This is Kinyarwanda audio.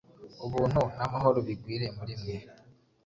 Ubuntu n’amahoro bigwire muri mwe,